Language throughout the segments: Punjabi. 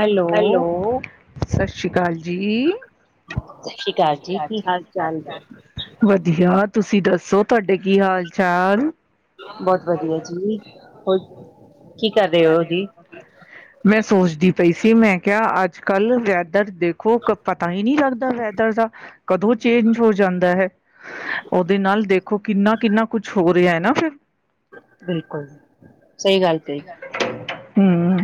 ਹੈਲੋ, ਹੈਲੋ ਸਸ ਸ੍ਰੀ ਕਾਲ ਜੀ ਸਸ ਸ਼੍ਰੀ ਕਾਲ ਜੀ ਕੀ ਹਾਲ ਚਾਲ ਵਧੀਆ ਤੁਸੀਂ ਦੱਸ ਦੱਸੋ ਤੁਹਾਡੇ ਕੀ ਹਾਲ ਚਾਲ ਬਹੁਤ ਵਧੀਆ ਜੀ ਹੋ ਕੀ ਕਰ ਰਹੇ ਹੋ ਮੈਂ ਸੋਚਦੀ ਪਈ ਸੀ ਮੈਂ ਕਿਹਾ ਅੱਜ ਕੱਲ ਵੈਦਰ ਦੇਖੋ ਪਤਾ ਹੀ ਨਹੀ ਲੱਗਦਾ ਵੈਦਰ ਦਾ ਕਦੋਂ ਚੇਂਜ ਹੋ ਜਾਂਦਾ ਹੈ ਉਹਦੇ ਨਾਲ ਦੇਖੋ ਕਿੰਨਾ ਕਿੰਨਾ ਕੁਛ ਹੋ ਰਿਹਾ ਹੈ ਨਾ ਫਿਰ ਬਿਲਕੁਲ ਸਹੀ ਗੱਲ ਤੇ ਹਮ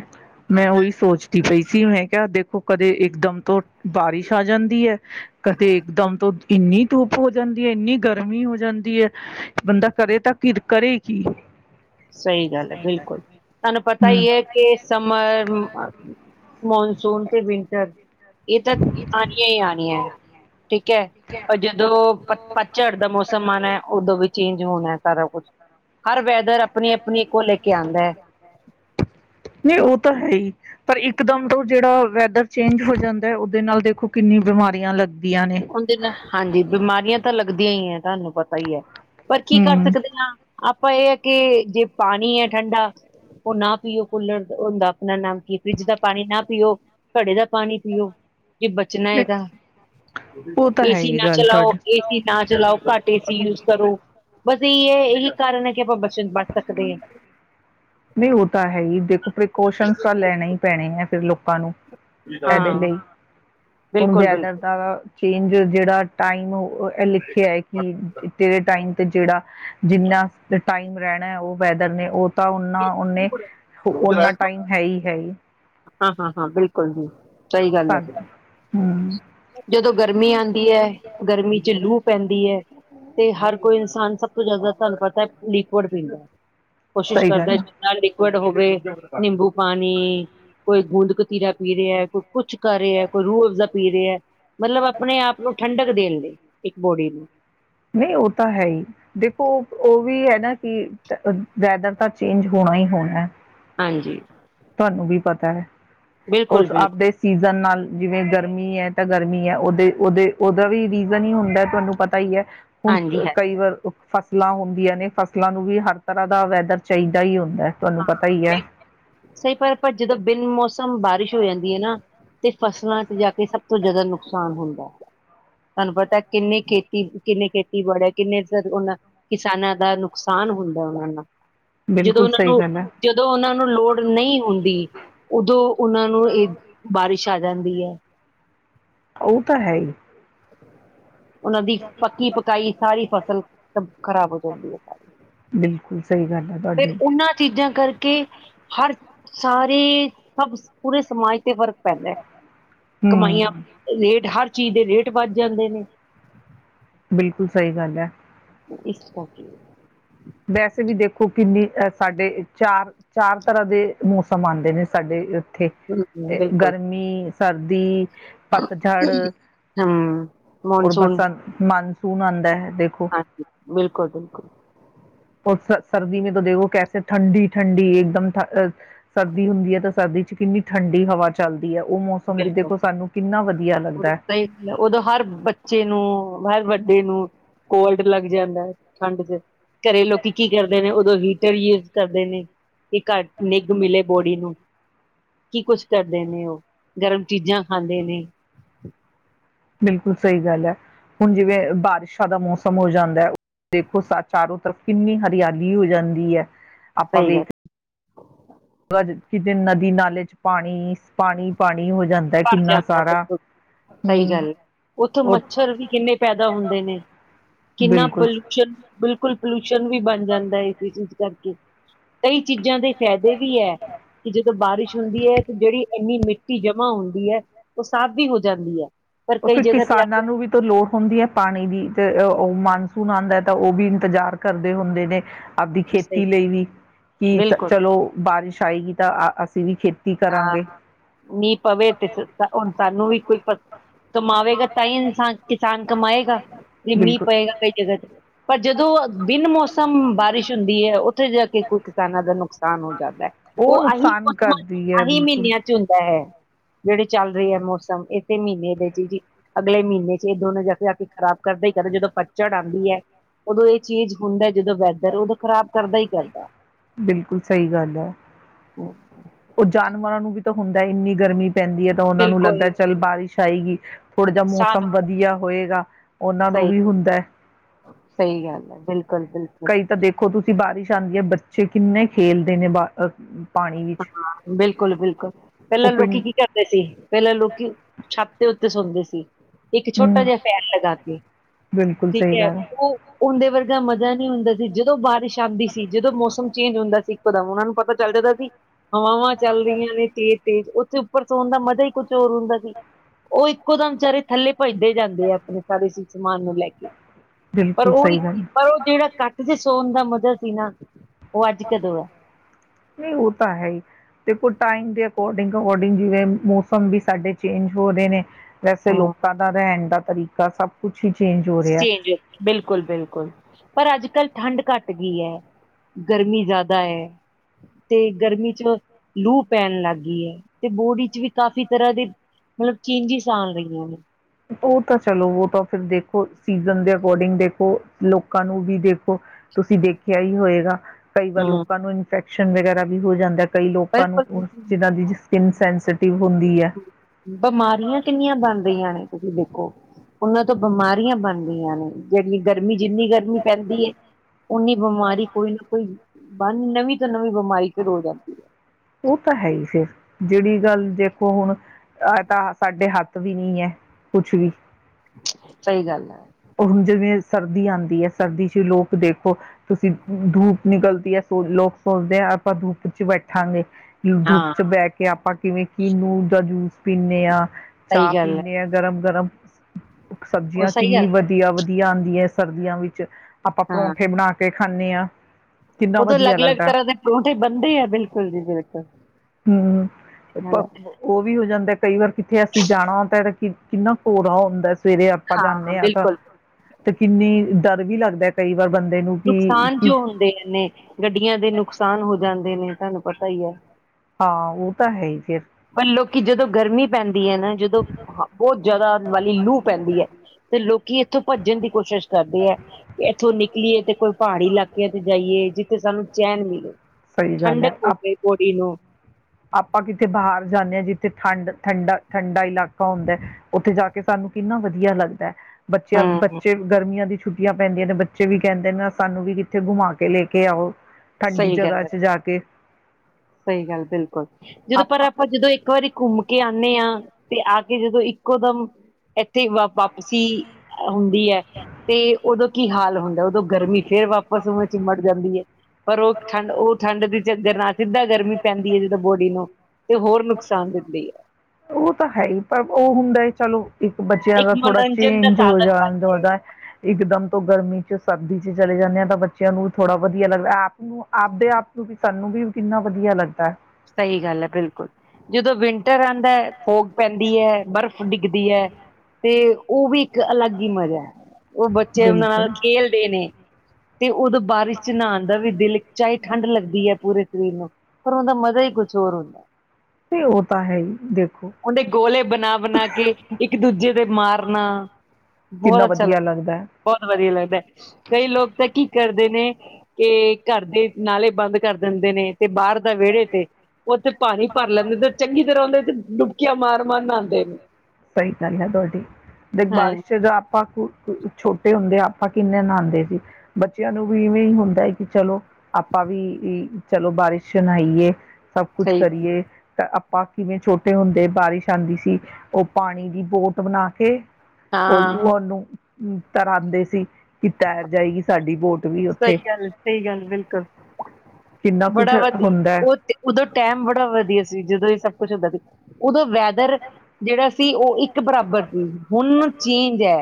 ਮੈਂ ਉਹੀ ਸੋਚ ਪਈ ਸੀ ਮੈਂ ਕਿਆ ਦੇਖੋ ਕਦੇ ਇਕ ਦਮ ਤੋਂ ਬਾਰਿਸ਼ ਆ ਜਾਂਦੀ ਹੈ ਕਦੇ ਇਕਦਮ ਤੋਂ ਇੰਨੀ ਧੁੱਪ ਹੋ ਜਾਂਦੀ ਹੈ ਇੰਨੀ ਗਰਮੀ ਹੋ ਜਾਂਦੀ ਹੈ ਬੰਦਾ ਕਰੇ ਤਾਂ ਕੀ ਕਰੇ ਕੀ ਸਹੀ ਗੱਲ ਹੈ ਬਿਲਕੁਲ ਤੁਹਾਨੂੰ ਪਤਾ ਹੀ ਹੈ ਕਿ ਸਮਰ ਮੌਨਸੂਨ ਤੇ ਵਿੰਟਰ ਇਹ ਤਾਂ ਆਣੀਆਂ ਹੀ ਆਣੀਆਂ ਠੀਕ ਹੈ ਪਰ ਜਦੋਂ ਪਤਝੜ ਦਾ ਮੌਸਮ ਆਉਣਾ ਉਦੋਂ ਵੀ ਚੇਂਜ ਹੋਣਾ ਸਾਰਾ ਕੁਛ ਹਰ ਵੈਦਰ ਆਪਣੀ ਆਪਣੀ ਕੋਲ ਲੈ ਕੇ ਆਂਦਾ ਨਹੀਂ ਉਹ ਤਾਂ ਹੈ ਹੀ ਪਰ ਇਕਦਮ ਤੋਂ ਜਿਹੜਾ ਵੈਦਰ ਚੇਂਜ ਹੋ ਜਾਂਦਾ ਉਹਦੇ ਨਾਲ ਦੇਖੋ ਕਿੰਨੀ ਬਿਮਾਰੀਆਂ ਲੱ ਉਹਦੇ ਨਾਲ ਹਾਂਜੀ ਬਿਮਾਰੀਆਂ ਤਾਂ ਲੱਗਦੀਆਂ ਹੀ ਏ। ਤੁਹਾਨੂੰ ਪਤਾ ਹੀ ਐ। ਪਰ ਕੀ ਕਰ ਸਕਦੇ ਹਾਂ ਆ ਆਪਾਂ ਇਹ ਹੈ ਕਿ ਜੇ ਪਾਣੀ ਹੈ ਠੰਡਾ ਉਹ ਨਾ ਪੀਓ ਕੂਲਰ ਹੁੰਦਾ ਆਪਣਾ ਨਾਮ ਕੀ ਫਰਿੱਜ ਦਾ ਪਾਣੀ ਨਾ ਪੀਓ ਘੜੇ ਦਾ ਪਾਣੀ ਪੀਓ। ਜੇ ਬਚਣਾ ਇਹ ਤਾਂ ਉਹ ਤਾਂ ਏ ਹੈ ਸੀ ਹੀ ਨਾ ਗੱਲ ਚਲਾਓ ਤੁਹਾਡੀ -ਏਸੀ ਨਾ ਚਲਾਓ ਘੱਟ ਏਸੀ ਯੂਜ ਕਰੋ ਬਸ ਇਹੀ ਹੈ ਇਹੀ ਕਾਰਨ ਹੈ ਕਿ ਆਪਾਂ ਬੱਚਨ ਪੜ ਸਕਦੈ ਨਹੀਂ ਹੋਤਾ ਹੈ ਹੀ ਦੇਖੋ। ਪ੍ਰੀਕੋਸ਼ਨ ਤਾਂ ਲੈਣੇ ਹੀ ਪੈਣੇ ਐ। ਫਿਰ ਲੋਕਾਂ ਨੂੰ ਹਾਂ ਇਹਦੇ ਹਾਂ ਲਈ ਹੁਣ ਬਿਲਕੁਲ ਵੈਦਰ ਬਿਲਕੁਲ ਦਾ ਚੇਂਜ ਜਿਹੜਾ ਟਾਈਮ ਓ ਐ ਲਿਖਿਆ ਹੈ ਕਿ ਤੇਰੇ ਟਾਈਮ ਤੇ ਜਿਹੜਾ ਜਿੰਨਾ ਕ ਟਾਈਮ ਰਹਿਣਾ ਉਹ ਵੈਦਰ ਨੇ ਉਹ ਤਾਂ ਨਾ ਓਨੇ ਉਨਾ ਟਾਈਮ ਹੈ ਹੀ -ਹੈ ਹੀ। ਹਾਂ- ਹਾਂ -ਹਾਂ ਬਿਲਕੁਲ ਜੀ। ਸਹੀ ਗੱਲ ਐ ਸਾਨੂੰ ਹਮ ਜਦੋਂ ਗਰਮੀ ਆਉਂਦੀ ਐ ਗਰਮੀ 'ਚ ਲੂ ਪੈਂਦੀ ਹੈ ਤੇ ਹਰ ਕੋਈ ਇਨਸਾਨ ਸਭ ਤੋਂ ਜ਼ਿਆਦਾ ਤੁਹਾਨੂੰ ਪਤਾ ਲੀਕਯੁਡ ਪੀਂਦਾ ਕੋਸ਼ਿਸ਼ ਸਹੀ ਕਰਦੈ ਗੱਲ ਆ ਜਿਨ੍ਹਾਂ ਲਿਕਯੁਡ ਹੋ। ਬੇ੍ਕ [unintelligible] ਨਿੰਬੂ ਪਾਣੀ ਕੋਈ ਗੂੰਦ ਕਤੀਰਾ ਪੀ ਰਿਹਾ ਕੋ ਕੁੱਛ ਕਰ ਰਿਹਾ ਕੋਈ ਰੂਹ ਅਫਜ਼ਾ ਪੀ ਰਿਹਾ ਐ [unintelligible] ਮਤਲਬ ਆਪਣੇ ਆਪ ਨੂੰ ਠੰਡਕ ਦੇਣ ਇੱਕ ਬੋਡੀ ਨੂੰ ਨਹੀਂ ਉਹ ਤਾਂ ਹੈ ਹੀ ਦੇਖੋ ਉਹ ਵੀ ਹੈ ਨਾ ਕਿ ਵੈਦਰ ਤਾਂ ਚੇਂਜ ਹੋਣਾ ਹੀ ਹੋਣਾ ਏ ਹਾਂਜੀ। ਤੁਹਾਨੂੰ ਵੀ ਪਤਾ ਹੈ ਬਿਲਕੁਲ ਉਸ ਬਿਲਕੁਲ ਆਪਦੇ ਸੀਜ਼ਨ ਨਾਲ ਜਿਵੇਂ ਗਰਮੀ ਹੈ ਤਾਂ ਗਰਮੀ ਹੈ ਉਹਦੇ ਉਹਦੇ ਉਹਦਾ ਵੀ ਰੀਜ਼ਨ ਹੀ ਹੁੰਦਾ ਤੁਹਾਨੂੰ ਪਤਾ ਹੀ ਹੈ। ਹੁਣ ਹਾਂਜੀ ਕ ਹੈ ਕਈ ਵਾਰ ਫਸਲਾਂ ਹੁੰਦੀਆਂ ਨੇ ਫਸਲਾਂ ਨੂੰ ਵੀ ਹਰ ਤਰ੍ਹਾਂ ਦਾ ਵੈਦਰ ਚਾਹੀਦਾ ਹੀ ਹੁੰ ਦੇ ਤੁਹਾਨੂੰ ਹਾਂ ਪਤਾ ਈ ਹੈ। ਬਿਲਕੁਲ ਸਹੀ ਪਰ ਪਰ ਜਦੋਂ ਬਿਨ ਮੌਸਮ ਬਾਰਿਸ਼ ਹੋ ਜਾਂਦੀ ਹੈ ਨਾ ਤੇ ਫਸਲਾਂ ਚ ਜਾ ਕੇ ਸਬ ਬੋਤ ਜ਼ਿਆਦਾ ਨੁਕਸਾਨ ਹੁੰਦਾ। ਤੁਹਾਨੂੰ ਪਤਾ ਕਿੰਨੇ ਖੇਤੀ ਕਿੰਨੇ ਖੇਤੀਬਾੜ ਹੈ ਕਿੰਨੇ ਉਹਨਾਂ ਕਿਸਾਨਾਂ ਦਾ ਨੁਕਸਾਨ ਹੁੰਦਾ ਉਹਨਾਂ ਦਾ। ਬਿਲਕੁਲ ਸਹੀ ਗੱਲ ਹੈ। ਜਦੋਂ ਉਹਨਾਂ ਨੂੰ ਲੋੜ ਨਹੀਂ ਹੁੰਦੀ ਉਦੋਂ ਉਹਨਾਂ ਨੂੰ ਇਹ ਬਾਰਿਸ਼ ਆ ਜਾਂਦੀ ਹੈ। ਉਹ ਤਾਂ ਹੈ ਈ। ਉਹਨਾਂ ਦੀ ਪੱਕੀ ਪਕਾਈ ਸਾਰੀ ਫਸਲ ਖਰਾਬ ਹੋ ਜਾਂਦੀ ਹੈ ਸਾਰੀ ਬਿਲਕੁਲ ਸਹੀ ਗੱਲ ਹੈ ਫਿਰ ਤੁਹਾਡੀ ਉਹਨਾਂ ਚੀਜ਼ਾਂ ਕਰਕੇ ਹਰ ਸਾਰੇ ਸਭ ਪੂਰੇ ਸਮਾਜ ਤੇ ਫਰਕ ਪੈਂਦਾ ਹੈ ਕਮਾਈਆਂ ਹੂੰ। ਰੇਟ ਹਰ ਚੀਜ਼ ਦੇ ਰੇਟ ਵੱਧ ਜਾਂਦੇ ਨੇ। ਬਿਲਕੁਲ ਸਹੀ ਗੱਲ ਹੈ। [unintelligible] ਵੈਸੇ ਵੀ ਦੇਖੋ ਕਿੰਨੀ ਅਹ ਸਾਡੇ ਚਾਰ ਚਾਰ ਤਰ੍ਹਾਂ ਦੇ ਕਮ ਆਂਦੇ ਨੇ ਸਾਡੇ। ਥੇ ਹਮ, ਬਿਲਕੁਲ ਗਰਮੀ ਸਰਦੀ ਪਤਝੜ ਹਮ ਅਔਰ ਮੌਨਸੂਨ ਬਸੰਤ ਮੰ ਸੂਨ ਆਂਦਾ ਹੈ। ਹਾਂਜੀ, ਬਿਲਕੁਲ ਬਿਲਕੁਲ ਓ ਸਰ ਸਰਦੀ ਨੇ ਤਾਂ ਦੇਉ ਕੈਸੇ ਠੰਡੀ-ਠੰਡੀ ਇੱਕਦਮ ਸਰਦ ਸਰਦੀ ਹੁੰਦੀ ਹੈ ਤਾਂ ਸਰਦੀ ਚ ਕਿੰਨੀ ਠੰਡੀ ਹਵਾ ਚੱਲ ਬਿਲਕੁਲ ਵਧੀਆ ਲੱਗਦਾ ਉਦੋਂ ਹੈ। ਸਹੀ ਉਦੋਂ ਹਰ ਬੱਚੇ ਨੂੰ ਹਰ ਬੱਚੇ [unintelligible] ਨੂੰ ਕੋਲਡ ਲੱਗ ਜਾਂਦਾ ਹੈ ਠੰਡ ਦੇ ਘਰੇ ਲੋਕੀ ਕੀ ਕਰਦੇ ਨੇ ਉਦੋਂ ਵੀ? ਹੀਟਰ ਯੁਜ਼ ਕਰਦੇ ਨੇ ਕਿ ਘੱਟ ਨਿੱਘ ਮਿਲੇ ਬੋਡੀ ਨੂੰ, ਕੀ ਕੁਛ ਕਰਦੇ ਨੇ ਉਹ। ਗਰਮ ਚੀਜ਼ਾਂ ਖਾਂਦੇ ਨੇ। ਬਿਲਕੁਲ ਸਹੀ ਗੱਲ ਐ। ਹੁਣ ਜਿਵੇਂ ਬਾਰਿਸ਼ ਉਦਾ ਦਾ ਮੌਸਮ ਹੋ ਜਾਂਦਾ ਐ। ਦੇਖੋ ਸਾ ਚਾਰੋ ਤਰਫ ਕਿੰਨੀ ਹਰਿਆਲੀ ਹੋ ਜਾਂਦੀ ਐ। ਆਪਾਂ ਸਹੀ ਗੱਲ ਵੇਖ ਕਿ ਦਿ ਨਦੀ ਨਾਲੇ ਚ ਪਾਣੀ ਪਾਣੀ ਪਾਣੀ ਹੋ ਜਾਂਦਾ ਹੈ ਭਰ ਕਿੰਨਾ ਜਾਂਦਾ ਸਾਰਾ ਬਿਲਕੁਲ। ਸਹੀ ਹੂੰ ਗੱਲ, ਉੱਥੇ ਬਿਲਕੁਲ, ਔਰ ਮੱਛਰ ਵੀ ਕਿੰਨੇ ਪੈਦਾ ਹੁੰਦੇ ਨੇ। ਕਿੰਨਾ ਬਿਲਕੁਲ ਪੋਲੂਸ਼ਨ, ਪੌਲੂਸ਼ਨ ਬਿਲ [unintelligible] [unintelligible] ਵੀ ਬਣ ਜਾਂਦਾ, ਇਸ ਚੀਜ਼ ਕਰਕੇ ਕਈ ਚੀਜ਼ਾਂ ਦੇ ਫਾਇਦੇ ਵੀ ਐ ਕਿ ਜਦੋਂ ਬਾਰਿਸ਼ ਹੁੰਦੀ ਹੈ ਤੇ ਜਿਹੜੀ ਇੰਨੀ ਮਿੱਠੀ ਕਿ ਜੋ ਹੁੰਦੀ ਐ। ਉਹ ਸਾਫ਼ ਵੀ ਹੋ ਜਾਂਦੀ ਐ। ਉਹ ਫਿਰ ਕਿਸਾਨਾਂ ਨੂੰ ਵੀ ਤਾਂ ਲੋੜ ਹੁੰਦੀ ਐ। ਪਾਣੀ ਦੀ ਤੇ ਉਹ ਮਾਨਸੂਨ ਆਉਂਦਾ ਐ ਤਾਂ ਉਹ ਵੀ ਇੰਤਜ਼ਾਰ ਕਰਦੇ ਹੁੰਦੇ ਨੇ। ਆਪਦੀ ਸਹੀ ਖੇਤੀ ਲਈ ਵੀ ਕਿ ਬਿਲਕੁਲ ਚਲੋ ਬਾਰਿਸ਼ ਆਏਗੀ ਤਾਂ ਅਸੀਂ ਵੀ ਖੇਤੀ ਹਾਂ, ਕਰਾਂਗੇ ਮੀਂਹ ਪਵੇ ਤੇ ਹੁਣ ਸਾਨੂੰ ਵੀ ਕੋਈ ਪ ਕਮਾਵੇਗਾ ਤਾਂ ਹੀ ਇਨਸਾਨ ਕਿਸਾਨ ਕਮਾਏਗਾ, ਜੇ ਮੀਂਹ ਬਿਲਕੁਲ ਪਏਗਾ ਕਈ ਪੇਟੀ ਜਗ੍ਹਾ, ਪਰ ਵਿੱਚ, ਜਦੋਂ ਬਿਨ ਮੌਸਮ ਬਾਰਿਸ਼ ਹੁੰਦੀ ਹੈ, ਉੱਥੇ ਜਾ ਕੇ ਕੋਈ ਕਿਸਾਨਾਂ ਦਾ ਨੁਕਸਾਨ ਹੋ ਜਾਂਦਾ ਐ। ਉਹ ਆਹੀ ਨੁਕਸਾਨ ਮੌਸਮਾਂ ਕਰਦੀ ਹੈ ਆਹੀ ਬਿਲਕੁਲ ਮਹੀਨਿਆਂ ਚ ਹੁੰਦਾ ਹੈ। ਜਿਹੜੇ ਚੱਲ ਰਹੇ ਹੈ। ਮੌਸਮ ਇਸੇ ਮਹੀਨੇ ਦੇ ਚ ਜੀ ਅਗਲੇ ਮਹੀਨੇ ਚ ਇਹ ਦੋਨੋ ਜਾ ਜਾ ਕੇ ਖਰਾਬ ਕਰਦਾ ਹੀ ਕਰਦਾ ਜਦੋਂ ਪੱਤ ਝੜ ਆਉਂਦੀ ਹੈ। ਉਦੋਂ ਇਹ ਚੀਜ਼ ਹੁੰਦਾ ਜਦੋਂ ਵੈਦਰ ਉਦੋਂ ਖ਼ਰਾਬ ਕਰਦਾ ਹੀ ਕਰਦਾ ਐ। ਬਿਲਕੁਲ ਸਹੀ ਗੱਲ ਹੈ ਉਹ ਜਾਨਵਰਾਂ ਨੂੰ ਵੀ ਤਾਂ ਹੁੰਦਾ ਇੰਨੀ ਗਰਮੀ ਪੈਂਦੀ ਐ ਤਾਂ ਉਹਨਾਂ ਨੂੰ ਲੱਗਦਾ ਬਿਲਕੁਲ ਐ ਚੱਲ ਬਾਰਿਸ਼ ਆਏਗੀ। ਥੋੜ੍ਹਾ ਜਿਹਾ ਸਾਨ ਮੌਸਮ ਵਧੀਆ ਹੋਏਗਾ, ਉਹਨਾਂ ਨੂੰ ਸਹੀ ਵੀ ਹੁੰਦਾ ਐ। ਸਹੀ ਗੱਲ ਹੈ ਬਿਲਕੁਲ ਬਿਲਕੁਲ ਕਈ ਤਾਂ ਦੇਖੋ ਤੁਸੀਂ ਬਾਰਿਸ਼ ਆਉਂਦੀ ਐ। ਬੱਚੇ ਕਿੰਨੇ ਖੇਲਦੇ ਨੇ ਬਾਹਰ ਹਾਂ, ਬਿਲਕੁਲ ਬਿਲਕੁਲ। ਉਹ ਪਹਿਲਾਂ ਲੋਕੀ ਪਿੰਡ ਕੀ ਕਰਦੇ ਸੀ? ਪਹਿਲਾਂ ਲੋਕੀ ਛੱਤ ਤੇ ਸੋਦੇ ਸੀ। ਇੱਕ ਛੋਟਾ ਹਮ ਜਿਹਾ ਫੈਨ ਲਗਾ ਕੇ ਬਿਲਕੁਲ ਠੀਕ ਸਹੀ ਹੈ। ਗੱਲ ਉਹ ਉਹਦੇ ਵੱਲ ਦਾ ਮਜ਼ਾ ਨਹੀਂ ਹੁੰਦਾ ਸੀ ਜਦੋਂ ਬਾਰਿਸ਼ ਆਉਂਦੀ ਸੀ ਜਦੋਂ ਮੌਸਮ ਚੇਂਜ ਹੁੰਦਾ ਸੀ ਇੱਕਦਮ ਉਹਨਾਂ ਨੂੰ ਪਤਾ ਚੱਲ ਜਾਂਦਾ ਸੀ। ਹਵਾਵਾਂ ਚੱਲ ਰਹੀਆਂ ਨੇ ਤੇਜ਼ ਕੋਠੇ ਉੱਪਰ ਸੋਣ ਦਾ ਮਜ਼ਾ ਹੀ ਕੁਝ ਹੋਰ ਹੁੰਦਾ ਸੀ ਉਹ ਇੱਕੋ ਦਮ ਚਾਰੇ ਥੱਲੇ। ਪਜਦੇ ਜਾਂਦੇ ਆਪਣੇ ਸਾਰੇ ਸਮਾਨ ਨੂੰ ਲੈ ਕੇ ਪਰ ਬਿਲਕੁਲ ਉਹਹੀ ਸਹੀ ਗੱਲ ਪਰ ਉਹ ਜਿਹੜਾ ਕੱਟ ਚ ਸੋਣ ਦਾ ਮਜ਼ਾ ਸੀ ਨਾ ਉਹ ਅੱਜ ਕਦੋਂ ਹੈ ਨਹੀਂ ਉਹ ਤਾਂ ਹੈ ਤੇ ਕੋ ਟਾਈਮ ਦੇ ਅਕੋਡਿੰਗ ਅਕੋਰਡਿੰਗ ਜਿਵੇਂ ਮੌਸਮ ਵੀ ਸਾਡੇ ਚੇਂਜ ਹੋ ਰਹੇ ਨੇ ਵੈਸੇ ਹਾਂ ਲੋਕਾਂ ਦਾ ਰਹਿਣ ਦਾ ਤਰੀਕਾ ਸਭ ਕੁੱਛ ਹੀ ਚੇਂਜ ਹੋ ਰਿਹਾ ਚੇਂਜ ਬਿਲਕੁਲ ਬਿਲਕੁਲ ਪਰ ਅੱਜ ਕੱਲ੍ਹ ਠੰਡ ਘੱਟ ਗਈ ਹੈ ਗਰਮੀ ਜ਼ਿਆਦਾ ਹੈ ਤੇ ਗਰਮੀ ਚ ਲੂ ਪੈਣ ਲੱਗ ਗਈ ਹੈ ਤੇ ਬੋਡੀ ਚ ਵੀ ਕਾਫ਼ੀ ਤਰ੍ਹਾਂ ਦੇ ਮਤਲਬ ਚੇਂਜਿਸ ਆ ਰਹੀਆਂ ਨੇ। ਉਹ ਤਾਂ ਚਲੋ ਉਹ ਤਾਂ ਫਿਰ ਦੇਖੋ ਸੀਜ਼ਨ ਦੇ ਅਕੋਰਡਿੰਗ ਦੇਖੋ ਲੋਕਾਂ ਨੂੰ ਵੀ ਦੇਖੋ ਤੁਸੀਂ ਦੇਖਿਆ ਹੀ ਹੋਏਗਾ ਕਈ ਵਾਰ ਹਮ ਲੋਕਾਂ ਨੂੰ ਇਨਫੈਕ ਵਗੈਰਾ ਵੀ ਹੋ ਜਾਂਦਾ ਕਈ ਲੋਕਾਂ ਨੂੰ ਬਿਲਕੁਲ ਤੁਸੀਂ ਜਿਹਨਾਂ ਦੀ ਸਕਿਨ ਸੈਂਸ ਬਿਮਾਰੀਆਂ ਕਿੰਨੀਆਂ ਬਣਦੀਆਂ ਨੇ ਤੁਸੀਂ ਦੇਖ ਉਹਨਾਂ ਤੋਂ ਬਿਮਾਰੀਆਂ ਬਣਦੀਆਂ ਨੇ ਜਿਹਣੀ ਗਰਮੀ ਜਿੰਨੀ ਗਰਮੀ ਪੈਂਦੀ ਹੈ ਉਓਨੀ ਬਿਮਾਰੀ ਕੋਈ ਨਾ ਕੋਈ ਬਾਨ ਨਵੀਂ ਤੋਂ ਨਵੀਂ ਬਿਮਾਰੀ ਫਿਰ ਹੋ ਜਾਂਦੀ ਹੈ ਉਹ ਤਾਂ ਹੈ ਹੀ ਫਿਰ ਜਿਹੜੀ ਗੱਲ ਦੇਖੋ ਹੁਣ ਤਾਂ ਸਾਡੇ ਹੱਥ ਵੀ ਨੀ ਹੈ ਕੁਛ ਪਚ--ਸਹੀ ਗੱਲ ਹੈ ਉਹ ਹੁਣ ਜਿਵੇਂ ਸਰਦੀ ਆਉਂਦੀ ਹੈ ਸਰਦੀ ਚ ਲੋਕ ਦੇਖੋ ਤੁਸੀਂ ਧੂਪ ਨਿਕਲਦੀ ਹੈ ਸੋ ਲੋਕ ਸੋਚਦੇ ਆ ਆਪਾਂ ਧੂਪ ਚ ਬੈਠਾਂਗੇ ਦੁੱਪ ਹਾਂ ਚ ਬਹਿ ਕੇ ਕਿ ਆਪਾਂ ਕਿਵੇਂ ਕੀ ਨੂਰ ਦਾ ਜੂਸ ਪੀਂਦੇ ਆ ਸਹੀ ਚਾਹ ਗੱਲ ਹੈ ਪੀਦੇ ਹਾਂ ਗਰਮ ਗਰਮ ਉਹ ਸਬਜ਼ੀਆਂ ਸਹੀ ਗੱਲ ਕਿੰਨੀ ਵ ਵਧੀਆ ਆਦੀ ਹੈ, ਸਰਦੀਆਂ ਵਿੱਚ ਆਪਾਂ ਹਾਂ ਪਰੌਂਠੇ ਬਣਾ ਕੇ, ਖਾਂਨੇ ਆਂ। ਉਦੋਂ ਅਲੱਗ-ਅਲੱਗ, ਤਰ੍ਹਾਂ ਦੇ ਪਰੌਂਠੇ ਬਣਦੇ ਆ ਬਿਲਕੁਲ ਜੀ ਬਿਲਕੁਲ ਹੂੰ, ਪ ਉਹ ਵੀ ਹੋ ਜਾਂਦਾ ਕਈ ਵਾਰ ਕਿੱਥੇ ਅਸੀਂ ਜਾਣਾ ਤੇ ਕਿੰਨਾ ਕੋਰਾ ਹੁੰਦਾ। ਸਵੇਰੇ ਆਪਾਂ ਜਾਂਦੇ ਹਾਂ ਤਾਂ, ਤੇ ਕਿੰਨੀ ਡਰ ਵੀ ਲੱਗਦਾ ਕਈ ਵਾਰ ਬੰਦੇ ਨੂੰ ਕਿ ਨੁਕਸਾਨ ਕਿ ਜੋ ਹੁੰਦੇ ਨੇ, ਗੱਡੀਆਂ ਦੇ ਨੁਕਸਾਨ ਹੋ ਜਾਂਦੇ ਨੇ। ਤਹਾਨੂੰ ਪਤਾ ਹੀ ਆ। ਹਾਂ ਉਹ, ਤਾਂ ਹੈ ਹੀ ਫਿਰ ਪਰ ਲੋਕੀ ਜਦੋਂ ਗਰਮੀ ਪੈਂਦੀ ਹੈ, ਨਾ ਜਦੋਂ ਬਹੁਤ ਜ਼ਿਆਦਾ ਵਾਲੀ ਲੂ ਪੈਂਦੀ ਹੈ ਤੇ ਲੋਕੀ ਇੱਥੋਂ ਭੱਜਣ ਦੀ ਕੋਸ਼ਿਸ਼ ਕਰਦੇ ਹੈ, ਇੱਥੋਂ ਨਿਕਲੀਏ ਤੇ ਕੋਈ ਪਹਾੜੀ ਇਲਾਕਿਆਂ ਤੇ ਜਾਈਏ, ਜਿੱਥੇ ਸਾਨੂੰ ਚੈਨ ਮਿਲੇ। ਸਹੀ ਗੱਲ ਹੈ ਠੰਡਕ ਹੋ ਆਪ ਕੇ ਬੋਡੀ ਨੂੰ ਆਪਾਂ ਕਿਤੇ ਬਾਹਰ ਜਾਂਦੇ, ਹਾਂ ਜਿੱਥੇ ਠੰਡ-ਠੰਡਾ-ਠੰਡਾ, ਇਲਾਕਾ ਹੁੰਦਾ ਉੱਥੇ ਜਾ ਕੇ ਸਾਨੂੰ ਕਿੰਨਾ ਵਧੀਆ ਲੱਗਦਾ ਹੈ। ਬੱਚਿਆਂ ਹਾਂ ਬੱਚੇ ਗਰਮੀਆਂ ਦੀ ਛੁੱਟੀਆਂ ਪੈਂਦੀਆਂ ਨੇ ਬੱਚੇ ਵੀ ਕਹਿੰਦੇ ਨੇ ਸਾਨੂੰ ਵੀ ਕਿੱਥੇ ਘੁੰਮਾ ਕੇ ਲੈ ਕੇ ਆਓ। ਠੰਢੀ ਸਹੀ ਗੱਲ ਜਗ੍ਹਾ ਹੈ ਚ ਜਾ ਕੇ, ਸਹੀ ਗੱਲ ਬਿਲਕੁਲ ਜਦੋਂ ਪਰ ਆਪਾਂ ਜਦੋਂ ਇੱਕ ਵਾਰੀ ਘੁੰਮ ਕੇ ਆਨੇ ਆ ਤੇ ਆ ਕੇ ਜਦੋਂ ਇੱਕੋ ਦਮ, ਇੱਥੇ ਵਾ ਵਾਪਸੀ ਹੁੰਦੀ ਹੈ, ਤੇ ਉਦੋਂ ਕੀ ਹਾਲ ਹੁੰਦਾ, ਉਦੋਂ ਗਰਮੀ ਫੇਰ ਵਾਪਸ ਉਵੇਂ ਚ ਮੜ ਜਾਂਦੀ ਹੈ। ਪਰ ਉਹ ਠੰਡ ਉਹ ਠੰਡ ਦੀ ਚੱਗਰ ਨਾ ਸਿੱਧਾ ਗਰਮੀ, ਪੈਂਦੀ ਹੈ, ਜਿੱਦੋਂ ਬੋਡੀ ਨੂੰ ਤੇ ਹੋਰ ਨੁਕਸਾਨ ਦਿੰਦੀ ਹੈ। ਉਹ ਤਾਂ ਹੈ ਹੀ ਪਰ ਉਹ ਹੁੰਦਾ ਹੈ, ਚਲੋ ਇੱਕ ਬੱਚਿਆਂ ਦਾ ਥੋੜਾ ਮਨੋਰੰਜਨ ਦਾ ਚੇਂਜ ਹੋ ਸਾਧਨ ਬਣ ਗਿਆ ਜਾਣਦਾ ਇਕਦਮ ਤੋਂ ਗਰਮੀ ਜੋ ਸਰਦੀ ਚ ਚਲੇ ਜਾਂਨੇ ਆ ਤਾਂ ਬੱਚਿਆਂ ਨੂੰ ਵੀ ਥੋੜ੍ਹਾ ਵਧੀਆ ਲੱਗਦਾ, ਆਪ ਨੂੰ ਆਪਦੇ ਆਪ ਨੂੰ ਵੀ ਸਾਨੂੰ ਵੀ ਕਿੰਨਾ ਵਧੀਆ ਲੱਗਦਾ ਹੈ। ਸਹੀ ਗੱਲ ਹੈ, ਬਿਲਕੁਲ ਜਦੋਂ ਵਿੰਟਰ ਆਦਾ ਹੈ। ਫੋਗ ਪੈਂਦੀ ਹੈ, ਬਰਫ਼ ਡਿੱਗਦੀ ਹੈ ਤੇ ਔ ਵੀ, ਇੱਕ ਅਲੱਗ ਹੀ ਮਜਾ ਹੈ, ਉਹ ਬੱਚੇ ਉਹਨਾਂ ਨਾਲ ਬਿਲਕੁਲ ਖੇਲਦੇ ਨੇ ਤੇ ਉਦੋਂ ਬਾਰਿਸ਼ ਚ ਨਹਾਣ ਦਾ ਵੀ ਦਿਲ ਚਾਹੇ ਠੰਢ ਲੱਗਦੀ ਹੈ, ਪੂਰੇ ਸਰੀਰ ਨੂੰ ਪਰ ਉਹਦਾ ਮਜ਼ਾ ਹੀ ਕੁਛ ਹੋਰ ਹੁੰਦਾ। ਤੇ ਉਹ ਤਾਂ ਹੈ ਹੀ ਦੇਖੋ ਉਹਦੇ ਗੋਲੇ ਬਣਾ-ਬਣਾ, ਕੇ ਇੱਕ ਦੂਜੇ ਦੇ ਮਾਰਨਾ ਬਹੁਤ ਕਿੰਨਾ ਅੱਛਾ ਵਧੀਆ ਲੱਗਦਾ ਹੈ। ਬਹੁਤ ਵਧੀਆ ਲੱਗਦਾ, ਕਈ ਲੋਕ ਤਾਂ ਕੀ ਕਰਦੇ ਨੇ ਕਿ ਘਰ ਦੇ ਨਾਲੇ ਬੰਦ ਕਰ ਦਿੰਦੇ ਨੇ ਤੇ ਬਾਹਰ ਦਾ ਵਿਹੜਲੇ ਤੇ ਉੱਥੇ ਪਾਣੀ ਭਰ ਲੈਂਦੇ ਤੇ ਚੰਗੀ ਤਰ੍ਹਾਂ ਉਹਦੇ ਤੇ ਡੁਬਕੀਆਂ ਮਾਰ ਮਾਰ ਨਹਾਉਂਦੇ ਨੇ ਸਹੀ ਗੱਲ ਹੈ ਤੁਹਾਡੀ ਜ ਹਾਂ ਬਾਰਿਸ਼ ਚ ਆਪਾਂ ਛੋਟੇ ਹੁੰਦੇ ਆਪਾਂ ਕਿੰਨੇ ਨਹਾਉਂਦੇ ਸੀ ਬੱਚਿਆਂ ਨੂੰ ਵੀ ਇਵੇਂ ਹੀ ਹੁੰਦਾ ਹੈ ਕਿ ਚਲੋ ਆਪਾਂ ਵੀ ਚਲੋ ਬਾਰਿਸ਼ ਸੁਣਾਈਏ ਸਭ ਕੁਛ ਸਹੀ ਕਰੀਏ ਤਾਂ ਆਪ ਕਿਵੇਂ ਛੋਟੇ ਹੁੰਦੇ ਬਾਰਿਸ਼ ਆਂਦੀ ਸੀ, ਔ ਪਾਣੀ ਦੀ ਬੋਟ ਬਣਾ ਕੇ ਔਰ ਉ ਹਾਂ ਔਨੂ ਤਰਾਂਦੇ ਸੀ, ਕਿ ਤੈਰ ਜਾਏਗੀ ਸਾਡੀ ਬੋਟ। ਵੀ ਉੱਥੇ ਸਹੀ ਗੱਲ, ਸਹੀ ਗੱਲ, ਬਿਲਕੁਲ ਕਿੰਨਾ ਕੁਝ ਬੜਾ ਵਧੀਅ ਹੁੰਦਾ ਹੈ ਔ ਤੇ ਉਦੋਂ ਟੈਮ ਬੜਾ ਵਧੀਆ ਸੀ। ਜਦੋਂ ਸਭ ਕੁਛ ਹੁੰਦਾ ਸੀ ਉਦੋਂ ਵੈਦਰ ਜੇੜਾ ਸੀ ਔ ਇੱਕ ਬਰਾਬਰ ਸੀ, ਹੁਣ ਓ ਚੇਂਜ ਐ।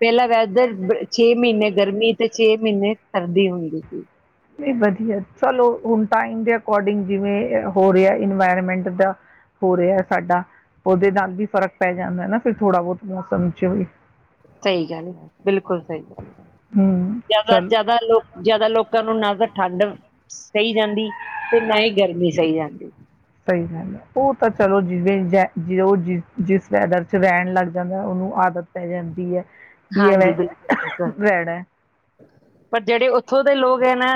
ਪੈਲਾਂ ਵੈਸ ਬੀਰ ਬੇ ਛੇ ਮੀਨੇ ਗਰਮੀ ਤੇ ਛੇ ਮੀਨੇ ਸਰਦੀ ਹੁੰਦੀ ਸੀ। ਵੀ ਵਧੀਐ ਚਲੋ ਹੁਣ ਟਾਈਮ ਦੇ ਅਕੋਰਡਿੰਗ ਜਿਵੇਂ ਹੋ ਰਿਹੈ ਇਨਵਾਇਰਮੈਂਟ ਦਾ ਹੋ ਰਿਹੈ ਸਾਡਾ ਔਦੇ ਨਾਲ ਵੀ ਫਰਕ ਪੈ ਜਾਂਦੈ ਨਾ ਫ਼ਿਰ ਥੋੜਾ ਬੌਤ ਮੌਸਮ ਚ ਵੀ। ਸਹੀ ਗੱਲ ਹੈ ਬਿਲਕੁਲ ਸਹੀ ਗੱਲ ਹੈ ਹੂੰ ਜੈਦਾ ਚਲ ਜੈਦਾ ਲੋਕ ਜੈਦਾ ਲੋਕਾਂ ਨੂੰ ਨਾ ਗਰ ਠੰਡ ਸਹੀ ਜਾਂਦੀ ਤੇ ਨਾ ਹੀ ਗਰਮੀ ਸਹੀ ਜਾਂਦੀ। ਸਹੀ ਗਲ ਹੈ, ਔ ਤਾਂ ਚਲੋ ਜਿਵੇਂ ਜ ਜੋ ਜਿਸ ਵੈਦਰ ਚ ਰੈਣ ਲੱਗ ਜਾਂਦੈ ਔਨੂੰ ਆਦਤ ਪੈ ਜਾਂਦੀ ਐ। ਹਾਂਜੀ, ਬਿਲਕੁਲ ਹੈ। ਠੀਕ। ਪਰ ਜੇੜੇ ਓਥੋਂ ਦੇ ਲੋਗ ਹੈ ਨਾ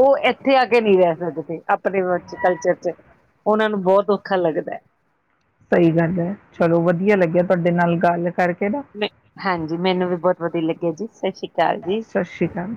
ਓਹ ਐ ਐਥੇ ਆ ਕੇ ਨ੍ਹੀਂ ਰੈ ਸਕਦੇ ਅਤਦੇ ਵਰਚ ਕਲਚਰ ਚ। ਔਨਾਂ ਨੂੰ ਬੌਤ ਔਖਾ ਲੱਗਦੈ। ਸਹੀ ਗੱਲ ਹੈ, ਚਲੋ ਵਧੀਆ ਲੱਗਿਆ ਤੁਹਾਡੇ ਨਾਲ ਗੱਲ ਕਰਕੇ। ਨਾ ਮੈਨ ਹਾਂਜੀ, ਮੈਨੂੰ ਵੀ ਬੌਤ ਵਧੀਆ ਲੱਗਿਆ ਜੀ। ਸਤ ਸ੍ਰੀ ਅਕਾਲ ਜੀ। ਸਤ ਸ਼੍ਰੀ ਕਾਲ।